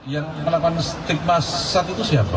yang melakukan stigma saat itu siapa